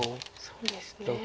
そうですね。